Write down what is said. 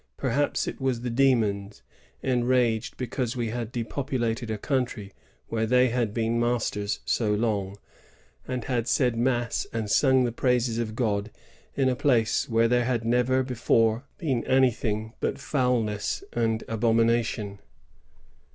Perhaps it was the demons, enraged because we had depopulated a country where they had been masters so long, and had said mass and sung the praises of Ood in a place where there had never before been anything but foulness and abomination.